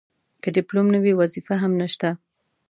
که ډیپلوم نه وي وظیفه هم نشته.